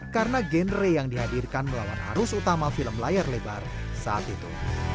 karena genre yang dihadirkan melawan harus utama film layar lebar saat itu